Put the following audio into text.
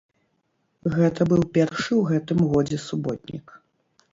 Гэта быў першы ў гэтым годзе суботнік.